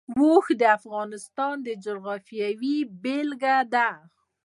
اوښ د افغانستان د جغرافیې بېلګه ده.